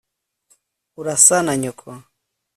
urasa na nyoko